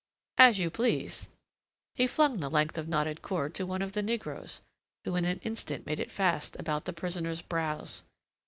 As you please." He flung the length of knotted cord to one of the negroes, who in an instant made it fast about the prisoner's brows.